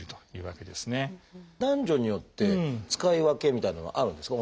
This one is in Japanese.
男女によって使い分けみたいなのはあるんですか？